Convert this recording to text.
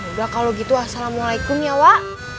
udah kalau gitu assalamualaikum ya pak